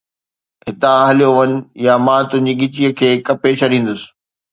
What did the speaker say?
ھتان ھليو وڃ، يا مان تنھنجي ڳچيءَ کي ڪپي ڇڏيندس